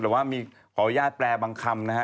หรือว่ามีขออนุญาตแปลบางคำนะฮะ